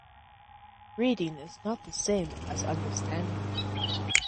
Reading is not the same as understanding.